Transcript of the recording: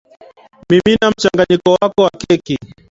mimina mchanganyiko wako wa keki